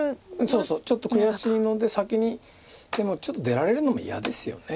そうそうちょっと悔しいので先にでもちょっと出られるのも嫌ですよね